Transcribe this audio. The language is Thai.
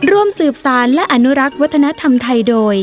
ร่วมสืบสารและอนุรักษ์วัฒนธรรมไทยโดย